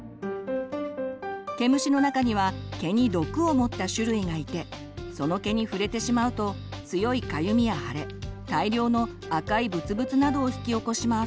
毛虫の中には毛に毒を持った種類がいてその毛に触れてしまうと強いかゆみや腫れ大量の赤いブツブツなどを引き起こします。